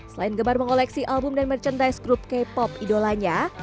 selain gemar mengoleksi album dan merchandise grup k pop idolanya